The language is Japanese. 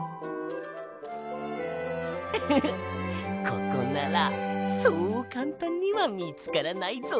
ウフフッここならそうかんたんにはみつからないぞ。